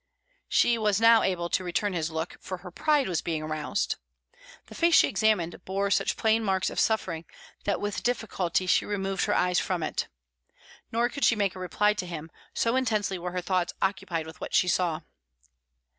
She was able now to return his look, for her pride was being aroused. The face she examined bore such plain marks of suffering that with difficulty she removed her eyes from it. Nor could she make reply to him, so intensely were her thoughts occupied with what she saw.